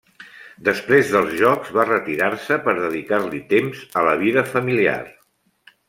Després dels Jocs va retirar-se per dedicar-li temps a la vida familiar.